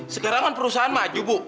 sekarang kan perusahaan maju bu